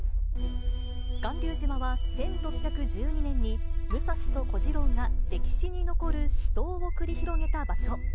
巌流島は１６１２年に、武蔵と小次郎が歴史に残る死闘を繰り広げた場所。